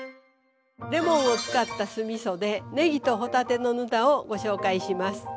レモンを使った酢みそでねぎと帆立てのぬたをご紹介します。